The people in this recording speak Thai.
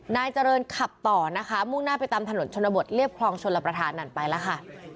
นายเจริญขับต่อนะคะมุ่งหน้าไปตามถนนชนบทเรียบคลองชลประธานนั่นไปแล้วค่ะ